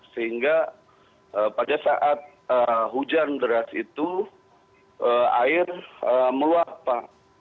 sehingga pada saat hujan deras itu air meluap pak